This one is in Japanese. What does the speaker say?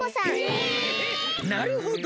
なるほど。